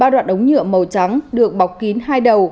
một mươi bốn đoạn ống nhựa màu trắng được bịt kín hai đầu